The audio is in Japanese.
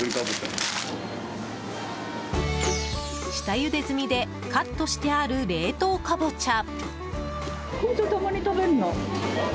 下ゆで済みでカットしてある冷凍カボチャ。